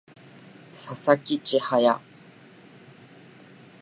佐々木千隼